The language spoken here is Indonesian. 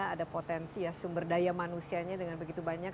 ada potensi ya sumber daya manusianya dengan begitu banyak